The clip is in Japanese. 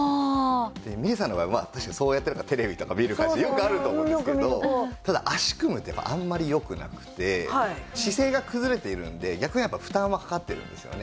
みれさんの場合は確かにそうやってテレビ見る感じよくあると思うんですけどただ脚組むってあんまり良くなくて姿勢がくずれているので逆にやっぱ負担はかかっているんですよね。